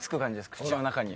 口の中に。